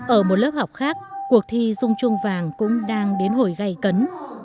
ở một lớp học khác cuộc thi dung chuông vàng cũng đang đến hồi gây cấn